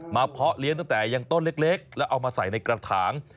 เพาะเลี้ยงตั้งแต่ยังต้นเล็กแล้วเอามาใส่ในกระถาง